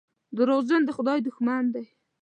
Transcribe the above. دروغجن د خدای دښمن دی.